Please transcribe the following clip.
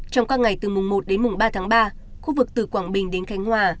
trong các ngày từ mùng một đến mùng ba tháng ba khu vực từ quảng bình đến khánh hòa